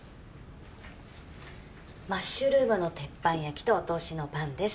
マッシュルームの鉄板焼きとお通しのパンです。